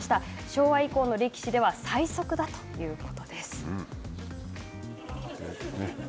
昭和以降の力士では最速だということです。